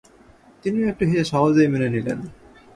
তিনিও একটু হেসে সহজেই মেনে নিলেন।